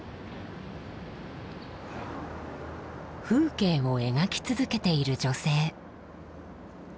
風景を描き続けている女性。